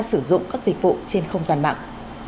sử dụng các dịch vụ trên không gian mạng